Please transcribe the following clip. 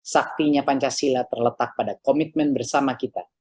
saktinya pancasila terletak pada komitmen bersama kita